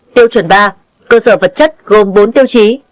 tiêu chuẩn ba cơ sở vật chất gồm bốn tiêu chí